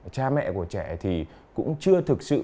cha mẹ của trẻ thì cũng chưa thực sự